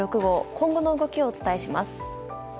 今後の動きをお伝えします。